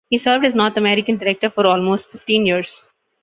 He served as North American Director for almost fifteen years.